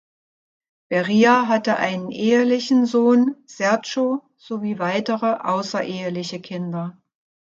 Beria hatte einen ehelichen Sohn, Sergo, sowie weitere, außereheliche Kinder.